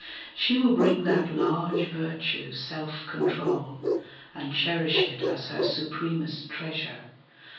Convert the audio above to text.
She will bring that large virtue, self control, And cherish it as her supremest treasure.